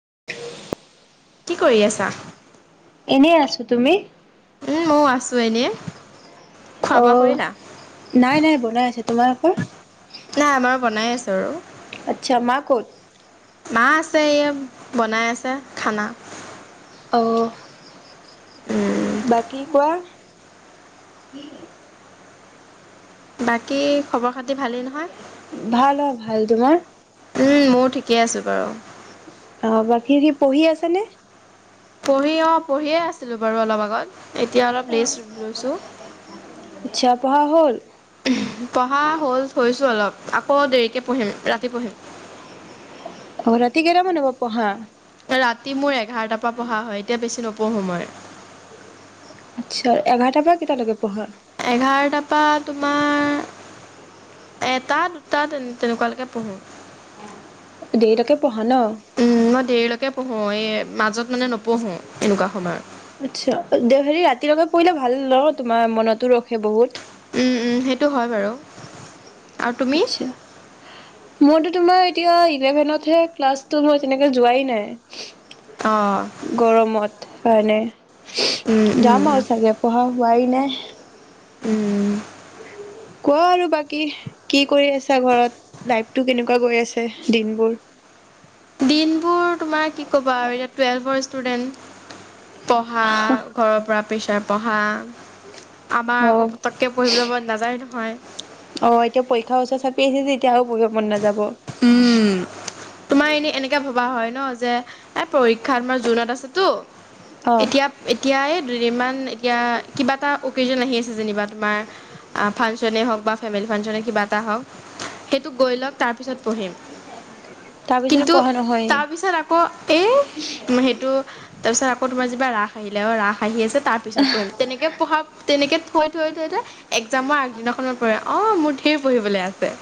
[inaudible] [inaudible] কি কৰি আছা এনেই আছো তুমি ময় আছো এনে অ নাই নাই ব বনাই আছে তোমালোকৰ নাই আমাৰো বনাই আছে আৰু [unintelligible] আচ্ছা মা কত মা আছে এই বনাই আছে খানা অ' উম [unintelligible] বাকী কোৱা বাকী খবৰ খা ভালেই নহয় ভাল অ' ভাল তোমাৰ উম ময়ো ঠিকেই আছো বাৰু অ বাকী সি পঢ়ি আছে নে পঢ়ি অ পঢ়িয়ে আছিলো বাৰু অলপ আগত এতিয়া অলপ ৰেষ্ট লৈছো আচ্ছা পঢ়া হল পঢ়া হল হৈছে অলপ আকৌ দেৰিকে পঢ়িম ৰাতি পঢ়িম অ ৰাতি কেইটামানৰ পৰা পঢ়া ৰাতি মোৰ এঘাৰটাৰ পৰা পঢ়া হয় এতিয়া বেছি নপঢ়ো মই আচ্ছা এঘাৰটাৰ পৰা কেইটা লৈকে পঢ়া এঘাৰটাৰ পৰা তোমাৰ এটা দুটা তেনেকুৱালৈকে পঢ়ো দেৰিলৈকে পঢ়া হেল্ল দেৰিলৈকে পঢ়ো এই মাজত মানে নপঢ়ো এনেকুৱা সময়ত আচ্ছা দে হেৰি ৰাতিৰলৈকে পঢ়িলে ভাল ন তোমাৰ মনতো ৰখে বহুত উম উম সেইটো সেইতো হয় বাৰু আৰু তুমি আচ্ছা। মোৰতো তোমাৰ এতিয়া ইলেভেনত ক্লাছটো হয় তেনেকে যোৱা অ', নাই গৰমত হয় নে উম, উম, যাম আৰু চাগে পঢ়া হোৱাই নাই [inaudible] উম কোৱা আৰু বাকী কি কৰি আছা ঘৰত লাইফটো কেনেকুৱা গৈ আছে দিনবোৰ দিনবোৰ ষ্টুডেণ্ পঢ়া ঘৰৰ পৰা পেছা পঢ়া আমাৰ অ আকৌ পতককে পঢ়িবলৈ মন নাযায় নহয় অ এতিয়া পৰীক্ষা [unintelligible] মন নাযাব উম তোমাৰ এনেই এনেকে ভবা হয় ন যে এই পৰীক্ষাত আমাৰ জুনত আছেতো অ এতিয়া এতিয়াই দুদিনমান এতিয়া কিবা এটা অকেজন আহি আছে যেনিবা তোমাৰ ফাংচনে হওক বা ফেমিলি ফাংচনে কিবা এটা হওক ত গৈ লওক তাৰপিছত পঢ়িম তাৰপিছতো কিন্তু পঢ়া নহয়েই তাৰ পিছত আকৌ এই সেইটো তাৰ পিছত আকৌ তোমাৰিব ৰা আহিলে অ ৰাস আহি আছে তাৰপিছত পঢ়িম তেনেকে পঢ়া তেনেকে থৈ থৈ থৈ থৈ একজামৰ আগদিনাখনত পৰা অ মোৰ ঢেৰ পঢ়িবলে আছে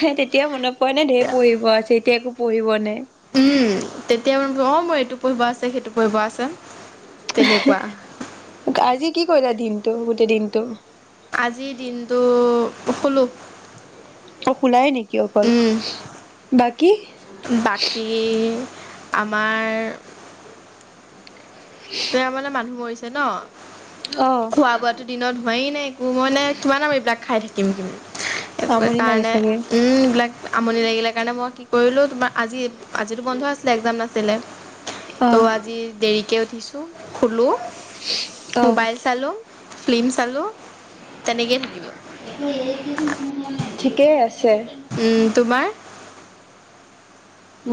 সেই তেতিয়াও মনত পৰে নে ঢেৰ পঢ়িব আছে এতিয়া একো পঢ়িব নাই উম তেতিয়া বাৰু অঁ মোৰ এইটো পঢ়িব আছে সেইটো পঢ়িব আছে তেনেকুৱা আজি কি কৰিলা দিনটো প্ৰতি দিনটো আজিৰ দিনটো শুলো অ সোলাই নেকি অকল বাকী বাকী আমাৰ তে মানে মানুহ মৰিছে ন অ খোৱা বোৱাতো দিনত হোৱাই নাই মই নে কিমান আৰু এইবিলাক খাই থাকিম কিন্তু স আমনি লাগে কাৰণে চাগে উম এইবিলাক আমনি লাগিলে কাৰণে মই কি কৰিলোও তোমাৰ আজি আজিতো বন্ধ আছিলে একজাম নাছিলে অ তো' আজি দেৰিক কে উঠিছো শুলো অ মোবাইল চালো ফিল্ম চালোঁ তেনেকেই থাকিলোঁ ঠিকে আছে উম তোমাৰ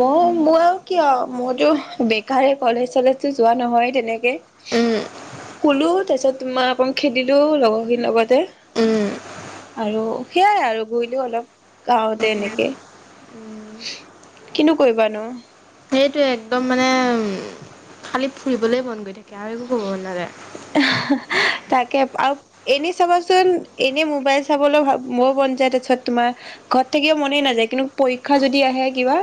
মই মোৰ আৰু কিয় মইতো বেকাৰে কলেজ কলেজো যোৱা নহয় তেনেকে উম শুলো তাৰিছত তোমাৰ অকণ খেলিলো লগৰখিনি লগত তে উম আৰু সেয়াই আৰু ঘূৰিলো অলপ গাওঁতে এনেকে কিনো কৰিবা নো সেইটোৱ একদম মানে খালী ফুৰিবলৈ মন গৈ থাকে কে আৰু একো কৰিব মন নাযায় আও এনে চাবাচোন এনে মোবাইল চাবলৈ মোৰ মন যায় তাৰপিছত তোমাৰ ঘৰত থাকিব মনেই নাযায় কিন্তু পৰীক্ষা যদি আহে কিবা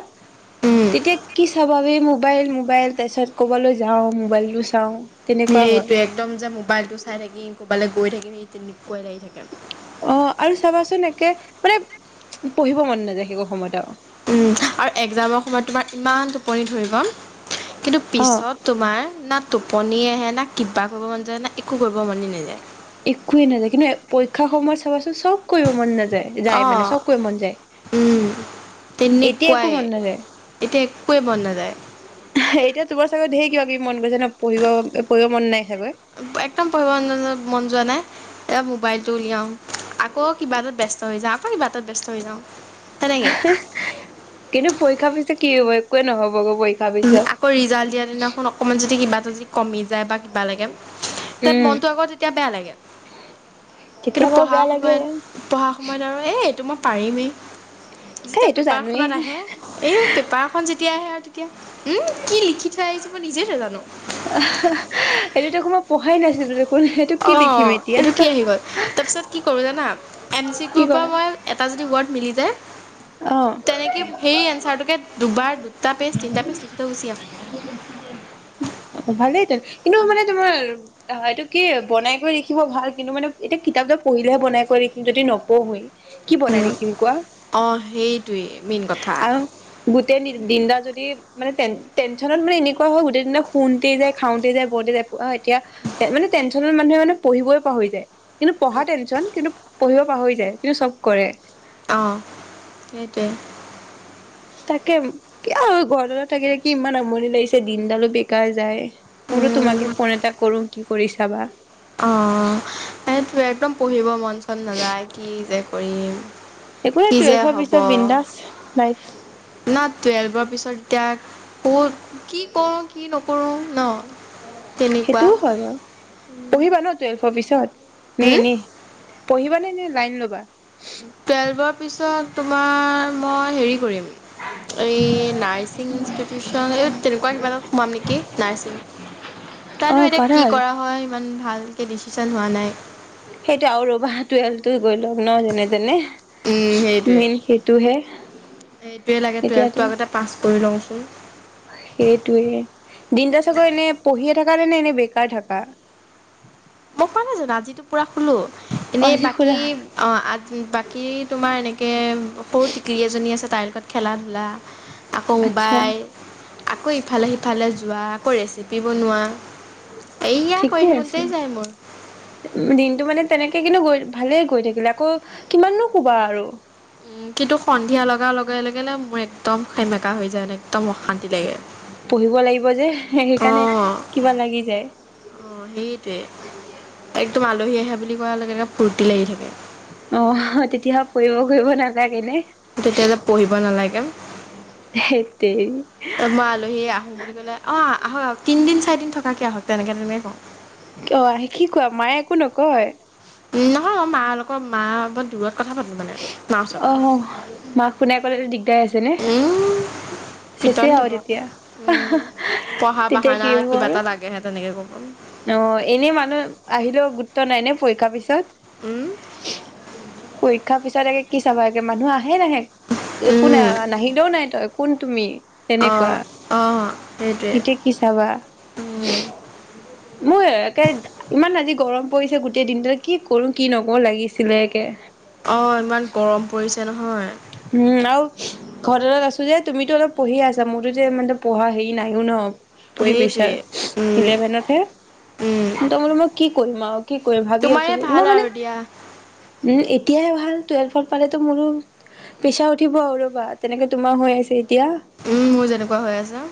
উম। তেতিয়া কি চাবা বে মোক মোবাইল মোবাইল তাৰপিছত ক'বলৈ যাওঁ মোবাইলটো চাওঁ তেনেকুৱা সেইটোৱে হয়। একদম যে মোবাইলতটো চাই থাকি কবালে গৈ থাকি সেই তে অ আৰু চাবাচোন একে মানে পঢ়িব মন নাযায় সেই তো সময়ত আও উ আৰু একজামৰ সময়ত তোমাৰ ইমান টোপনি ধৰিব কিন্তু অ পিছত তোমাৰ না টোপনি আহে না কিবা কৰিব মন যায় না একো কৰিব মনে নাযায় একোৱে নাযায় কিন্তু পৰীক্ষাৰ সময়ত চাব চব কৰিব মন নাযায়, যাই মানে অ' চব কৰিব মন যায় উম। এতিয়া একো তেনেকুৱাই মন নাযায়, এতিয়া একোৱে মন নাযায় এতিয়া তোমাৰ চাগৈ ধেই কিবা কিবি মন গৈছে ন পঢ়িব পঢ়িব মন নাই চাগৈ একদম পঢ়িব মন মন যোৱা নাই এতিয়া মোবাইলটো উলিয়াওঁ আকৌ কিবা এটাত ব্যস্ত হৈ যাওঁ আকৌ কিবা এটাত ব্যস্ত হৈ যাওঁ তেনেকে কিন্তু পৰীক্ষা পিছে কি হব একোৱে নহ'ব আকৌ ৰিজাল্ট দিয়া দিনাখন অকণমান যদি কিবা এটা যদি কমি যায় বা কিবা লাগে তে উম মনতটো আকৌ তেতিয়া বেয়া লাগে তেতিয়া কিন্তু বাৰু পঢ়া বেয়া লাগে সময়ত এ পঢ়া সময়ত আৰু এইটো মই পাৰিম এ। যেতিয়া এইটো পেপাৰ জানোৱেই খনত আহে, এই পেপাৰখন যেতিয়া তেতিয়া হে উম কি লিখি থৈ আহিছো মই নিজে নাজানো। এইটো দেখো মই পঢ়াই নাছিলো দে অ এইটো কি আহি গ'ল। তাৰপিছত কি কৰো জানা, এম চি কি গ্ৰুপৰ কৰা মই এটা যদি ৱাৰ্ড মিলি যায় অ তেনেক সেই এনচাৰটোকে দুবাৰ দুটা পেজ তিনটা পেজ লিখি থৈ গুচি আহো। ভালেই তে কিন্তু মানে তোমাৰ আহ এইটো কি বনাই কৰি লিখিব ভাল কিন্তু মানে এতিয়া কিতাপ এটা পঢ়িলেহে বনাই কৰি লাখিম যদি নপঢ়োৱেই কি বনাই লিখিম কোৱা? সেইটোৱেই মেইন কথা। দিন টা যদি মানে টেন টেনশন মেনেুৱা হয় গোটেই দিনা শুনতেই যায় খাওঁতে যাই বৰতে যায়। অ এটিয়া মানে টেনচন মানুহ মানে পঢ়িবই পাহৰি যায়। কিন্তু পঢ়া টেনচন কিন্তু় পাহৰি যায়। কিন্তু চব কৰে। অহ, সেইটোৱে। তাকে আৰু ঘৰডালত থাকিলে কি ইমান আমৰনি লাগিছে দিনডালো বেকাৰ যায়। মই বুদু উম, তোমাকে ফোন এটা কৰো কি কৰিছে তাবা অ, এটুৱে একদম পঢ়িব মন চন নাযায় কি যে কৰিম কি এবোৰেটো যে টুৱেল্ভৰ হ'ব পিছত বিন্দাস লাইফ। না টুৱেলভৰ পিছত এতিয়া ক'ত কি কৰো কি নকৰোঁ ন? তেনেকুৱা সেইটোও হয় বাৰু পঢ়িবা ন টুৱেলভ? ভৱিষ্যত? নে উম, এনে? পঢ়িবা নে, নে লাইন ল'বা? টুৱেলভৰ পিছত তোমাৰ মই হেৰি কৰিম, এ নাৰ্চিং ইষ্টেপিচন তেনেকুৱা কিবা এটা সুমাম নেকি নাৰ্চিং। অ জানো এতিয়া পাৰা কি কৰা হয় সিমান ভালকে ভালকে ডিচিশন হোৱা নাই। সেইটো আৰু ৰবা, টুৱেলভটো গৈ লওক ন যেনে তেনে উ সেইটোৱে মেইন সেইটোহে এইটোৱে লাগে এতিয়াতো টুৱেলভটো আগতে পাচ কৰি লওঁ। উ সেইটোৱে দিনটো চাগে এনে পঢ়িয়ে থাকা, নে নে এনে বেকাৰ থকা? মই কোৱা নাই জানো আজিতো পুৰা শুলো। অ এনেই আজি বাকী খোলা অ বাকী তোমাৰ এনেকে সৰু টিকলি এজনী আছে তাইৰ লগত খেলা ধূলা আকৌ আচ্ছা মোবাইল আকৌ ইফালে, সিফালে সিফালে যোৱা, আকৌ ৰেচিপি বনোৱা এইয়া, ঠিকে কৰি আছে থাকোতেই যায় মোৰ। দিনটো মানে তেনেকে কিন্তু গৈ ভালে গৈ থাকিলে, আকৌ কিমাননো কোবা আৰু উম কিন্তু সন্ধিয়া লগা লগে লগে নে মোৰ একদম সেমেকা হৈ যায় ম একদম অশান্তি লাগে। পঢ়িব লাগিব যে সেইকাৰণে অঁ কিবা লাগি যায়। অঁ সেইটোৱে কৰা লগে লগে ফূ্তি লাগি থাকে। অ তেতিয়াহ ফুৰিব ফুৰিব নালাগে নে? তেতিয়া যে পঢ়িব নালাগে ধেৎ তেৰি মই আলহী আহো বুলি কলে অ আহক আহ তিনিদিন চাৰদিন থকাকৈ আহক, তেনেকৈ তেনেয়েই কওঁ অ কি কোৱা, মায়ে একো নকয়? নহয় অ মালগত মা বৰ দূৰত কথা পাতোঁ মানে মাৰ ওচৰৰ পৰা আহ অহ মাক শুনাই কলে দিগদাৰ আচিলে। উম পিটন চেচেই আও দিব তেতিয়া, উম পঢ়া তেতিয়া বাহানা কি হ'ব কিবা আৰু? এটা লাগেহে তেনেকৈ ক'ব অ এনে মানুহ আহিলেও গুৰুত্ব নাই নে পৰীক্ষাৰ পিছত উম পৰীক্ষাৰ পিছত কি চাবাগে একে মানুহ আহ নাহে নাহে একো ন উম নাহিলেও নাই তই কোন তুমি? অঁ তেনেকুৱা, অঁ সেইটোৱে এতিয়া কি চাবা? উম মোৰ একে, ইমান আজি গৰম পৰিছে গোটেই দিনটো কি কৰো কি নকৰো লাগিছিলে একে। অ ইমান গৰম পৰিছে নহয়। হয়। উম আৰু ঘৰৰত আছো যে তুমিতো অলপ পঢ়িয় আছা, মোৰতো যে মে পঢ়া হেৰি নাইও ন! তুমি পিছে, সেইটোৱে ইলেভেনত হে কি ত ম মই কি? কৰিম আৰু কি কৰিম ভাবি তোমাৰ আছোঁ এই ভাল মই মানে আৰু দিয়া এতিয়াহে ভাল টুৱেল্ভত পালেটো মোৰো প্ৰেছাৰ উঠিব আৰু ৰ'বা তেনেকে তোমাৰ হৈ আছে এতিয়া অ উম মোৰ যেনেকুৱা হৈ আছে।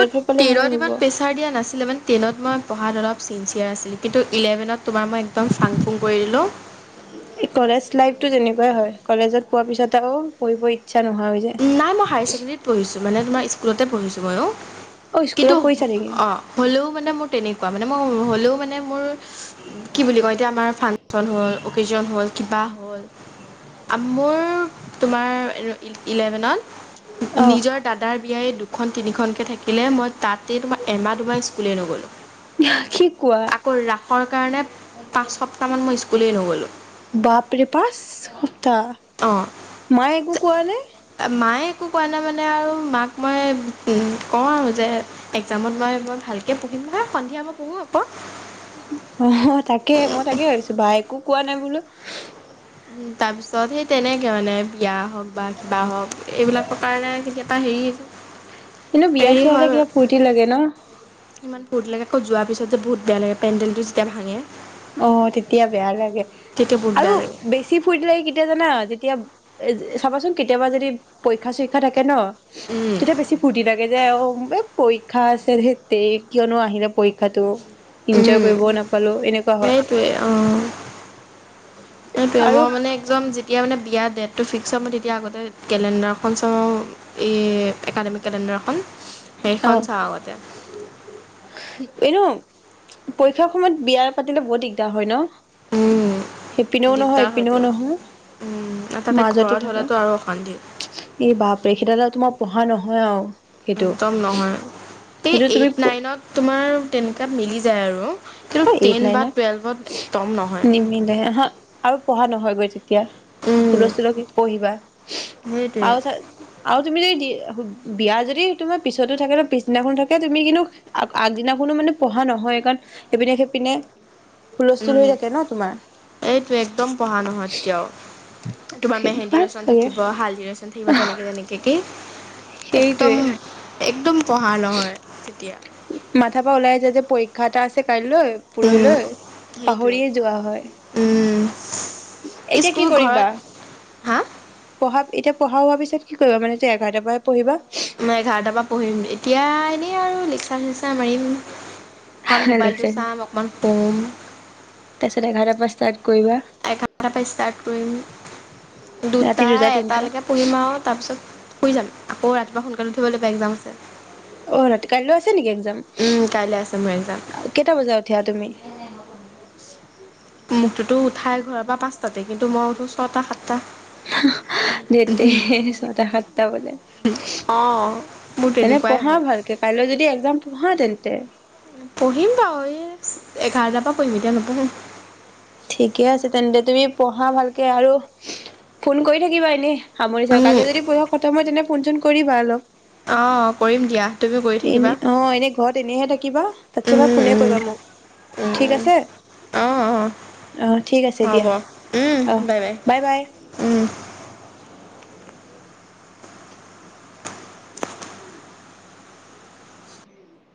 বাত পালে মোৰ টেনত হ'ব ইমান প্ৰেচাৰ দিয়া নাছিলে মানে টেনত মই পঢ়াত অলপ। চিনচিয়াৰ আছিল কিন্তু ইলেভেনত তোমাৰ মই একদম ফাং ফুং কৰিলোঁ। কলেজ লাইফতটো তেনেকুৱাই হয় কলেজত পোৱাৰ পিছত আৰু পঢ়িব। ইতচ্ছা নোহোৱা হৈ যায়। নাই মই হায়াৰ ছেকেণ্ডেৰীত পঢ়িছোঁ মানে তোমাৰ স্কুলতে পঢ়িছোঁ মইয়ো। অ কিন্তু স্কুলত পঢ়িছা নেকি অ হ'লেও মানে মোৰ তেনেকুৱা মানে। মানে মই হ'লেও মানে মোৰ কি বুলি কয় এতিয়া আমাৰ ফাংচন হ'ল অ'কেচন হ'ল কিবা হ'ল মোৰ তোমাৰ ইলেভেনত অ নিজৰ দাদাৰ বিয়াই। দুখন তিনিখনকে থাকিলে মই। তাতে তোমাৰ এমাহ দুমাহ স্কুলেই নগলো কি কোৱা আকৌ ৰাসৰ কাৰণে পাঁচ সপ্তাহ মান মই স্কুল। স্কুলেই নগলো। বাপৰে পাছ তা অঁ মায়ে একো কোৱা নে মায়ে একো কোৱা নাই মানে আৰু মাক মই। কওঁ আৰু যে একজামত মই মই ভালকৈ পঢ়িম নহয় সন্ধিয়া মই পঢ়োঁ আকৌ। অ তাকে মই তাকে ভাবিছোঁ বা একো কোৱা নাই বোলোঁ। উ তাৰ পিছত সেই তেনেকে মানে বিয়া। হওক বা কিবা হওক এইবিলাকৰ কাৰণে কেতিয়াবা হেৰি। কিন্তু বিয়া হেৰি চিয়া হয় হ'লে বাৰু কিবা ফূৰ্তি লাগে ন। ইমান ফুৰ্টি লাগে আকৌ যোৱাৰ পিছত যে বহুত বেয়া লাগে পেণ্ডেলটো যেতিয়া ভাঙে। অ তেতিয়া বেয়া লাগে। তেতিয়া বহুত আৰু বেয়া লাগে বেছি ফুৰ্তি লাগে কেতিয়া জানা। এতিয়া এই চাবাচোন কেতিয়াবা যদি পৰীক্ষা চৰীক্ষা থাকে ন। উম, তেতিয়া বেছি ফূৰ্তি লাগে যে এ অ। পৰীক্ষা আছে ধেত তেৰি কিয়নো আহিলে পৰীক্ষাতো। ইনজয় উম, কৰিব নাপালোঁ এনে। সেইটোৱে অ। সেইটোৱেই আৰু মই মানে একজম যেতিয়া মানে বিয়া দেট তটো ফিক্স হ'ব মই তেতিয়া আগতে কেলেণ্ডাৰখন চাওঁ এই একাডেমিক কেলেণ্ডাৰখন। অ সেইখন চাওঁ আগতে। এনেও পৰীক্ষাৰ সময়ত বিয়াৰ পাতিলে বহুত দিগদাৰ হয় উম, ন সেইপিনেও নহয় দিগদাৰ হয়তো ইপিনেও উম, আৰু নহয় তাতে মাজতে ঘৰত থাকা হ'লেতো আৰু অশান্তি এই বাপৰে হে তেতিয়া তোমাৰ পঢ়া নহয়। হয় আৰু সেইটো একদম নহয় সেই সেইটো তুমি এইট নাইনত তোমাৰ তেনেকুৱা মিলি যায় আৰু কিন্তু অ এইট, টেন বা নাইনত টুৱেল্ভত একদম নহয় নিমিলে আহা আৰু পঢ়া নহয় গৈ তেতিয়া তেতিয়া উম, হুলস্থুলত কি পঢ়িবা সেইটোৱে আৰু চা আৰু তুমি যদি দি বিয়া যদি তোমাৰ পিছতো থাকে বা পিছদিনাখনো থাকে তুমি কিন্তু আগ আগদিনাখনো মানে পঢ়া নহয়ে কাৰণ সেইপিনে -সেইপিনে উম হুলস্থুল হৈ থাকে ন তোমাৰ এইটোৱে একদম পঢ়া নহয় তেতিয়াও তোমাৰ মেহেন্দী ভাল ৰচন লাগে থাকিব, হালধি ৰচন থাকিব, তেনেকে তেনেকে কি একদম সেইটোৱে -একদম পঢ়া নহয় তেতিয়া মাথা পা ওলাই যায় যে, পৰীক্ষা এটা আছে। কাইলৈ, উম। পুৰহিলৈ সেইটোৱে। পাহৰিয়ে যোৱা হয়। উম। এতিয়া কি স্কুল কৰিবা? ঘৰত হা পঢ়া এতিয়া পঢ়াও ভাবিছো কি কৰিবা মানে এতিয়া এঘাৰটা পা হে পঢ়িবা? মই এঘাৰটাৰ পৰা নামাৰিম [unintelligible] অকণ মোবাইল টো লেকচাৰ চাম অকণমান, উম, তাৰপিছত এঘাৰটাৰ পৰা ষ্টাৰ্ট কৰিবা, এঘাৰটাৰ পৰা ষ্টাৰ্ট কৰিম ৰাতি দুটা, এটা তিনটা লৈকে পঢ়িম আৰু তাৰপিছত শুই যাম। আকৌ ৰাতিপুৱা সোনকালে উঠিব লাগিব এক্সাম আছে। অ ৰাতি কাইলৈ আছা নেকি এক্সাম, উম কাইলৈ আছে মোৰ এক্সাম। কেইটা বজাত উঠা তুমি? ব [unintelligible] মোক টোতো উঠাই ঘৰৰ পৰা পাঁচটাতে কিন্তু মই উঠো ছটা, সাতটা হা -হা ধেত তেৰি ছয়টা, সাতটা বাজে অ মোৰ তেনে তেনেকুৱাই পঢ়া হয়। ভালকে কাইলৈ যদি এক্সাম হয় তেন্তে তে [unintelligible] পঢ়িম বাও এই এঘাৰটা টা পা পঢ়িম এতিয়া নপঢ়ো। ঠিকে আছে, তেন্তে তুমি পঢ়া ভালকে আৰু ফোন কৰি থাকিবা এনে সামৰি চাওঁ কাইলৈ উম, যদি পঢ়া খতম হয় তেনে ফোনচোন কৰিবা অলপ অ' কৰিম দিয়া তুমিও কৰি থাকিবা। এনে অ এনে ঘৰত এনেহে থাকিবা, তাৰপিছত উম, বা ফোনে উম, কৰিবা মোক উম, ঠিক উম, আছে। অ', অহ ঠিক আছে অ' হ'ব দিয়া অহ উম, বাই বাই। উম।